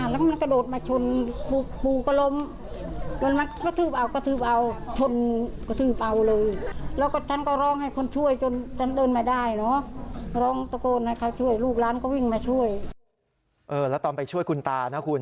แล้วตอนไปช่วยคุณตานะคุณ